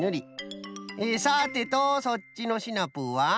さてとそっちのシナプーは？